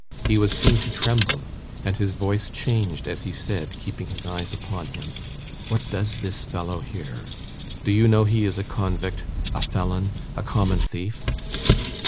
He was seen to tremble, and his voice changed as he said, keeping his eyes upon him, 'What does this fellow here? Do you know he is a convict, a felon, a common thief?